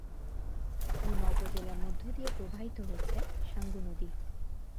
রুমা উপজেলার মধ্য দিয়ে প্রবাহিত হচ্ছে সাঙ্গু নদী।